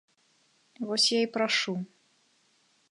Вось я і прашу.